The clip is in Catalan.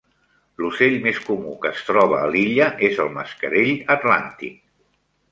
L'ocell més comú que es troba a l'illa és el mascarell atlàntic.